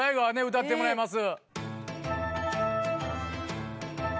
歌ってもらいます